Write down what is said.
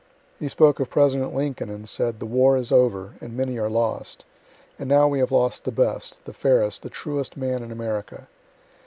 He spoke of President Lincoln, and said: "The war is over, and many are lost. And now we have lost the best, the fairest, the truest man in America.